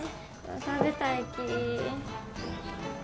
食べたいき。